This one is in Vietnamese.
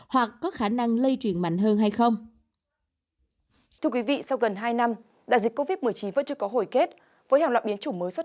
thưa quý vị sau gần hai năm đại dịch covid một mươi chín vẫn chưa có hồi kết với hàng loại biến chủ mới xuất